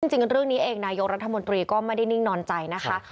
จริงเรื่องนี้เองนายกรัฐมนตรีก็ไม่ได้นิ่งนอนใจนะคะ